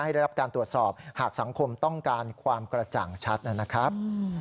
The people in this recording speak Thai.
ได้รับการตรวจสอบหากสังคมต้องการความกระจ่างชัดนะครับ